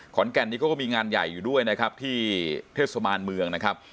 ขอนแก่นนี้เขาก็มีงานใหญ่อยู่ด้วยนะครับที่เทศบาลเมืองนะครับ